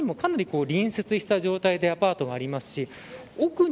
右側にも、かなりに密接した状態でアパートがあります。